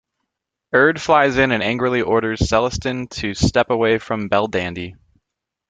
Urd flies in and angrily orders Celestin to step away from Belldandy.